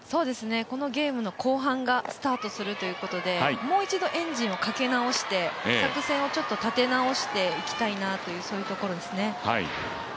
このゲームの後半がスタートするということでもう一度、エンジンをかけ直して作戦を立て直していきたいなとそういうところですね。